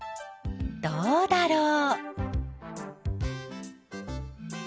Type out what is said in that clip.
どうだろう？